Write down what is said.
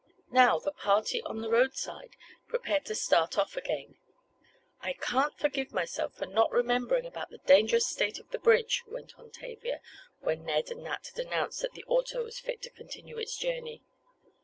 Now the party on the roadside prepared to start off again. "I can't forgive myself for not remembering about the dangerous state of the bridge," went on Tavia, when Ned and Nat had announced that the auto was fit to continue its journey.